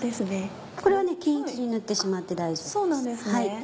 これは均一に塗ってしまって大丈夫です。